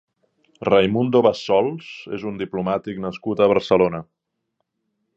Raimundo Bassols és un diplomàtic nascut a Barcelona.